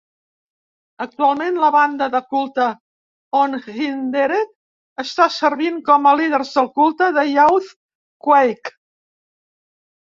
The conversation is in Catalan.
Actualment, la banda de culte Unhindered està servint com a líders de culte de YouthQuake.